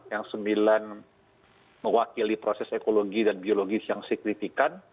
yang sembilan mewakili proses ekologi dan biologi seni